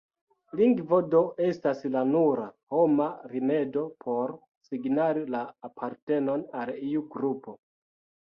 Lingvo do estas la nura homa rimedo por signali la apartenon al iu grupo.